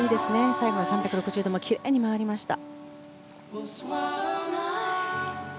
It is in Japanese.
最後は３６０度まできれいに回りました。